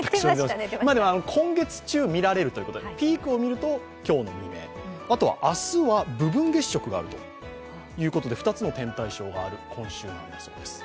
今月中みられるということで、ピークをみると今日の未明、あとは明日は部分月食があるということで２つの天体ショーがあるということです。